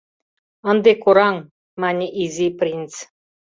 — Ынде кораҥ, — мане Изи принц.